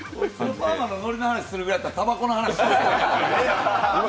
パーマのノリの話をするぐらいやったらたばこの話を。